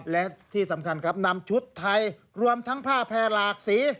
และที่สำคัญครับนำชุดไทยรวมทั้งผ้าแพร่หลากสี